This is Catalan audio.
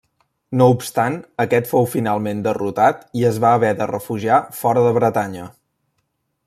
No obstant aquest fou finalment derrotat i es va haver de refugiar fora de Bretanya.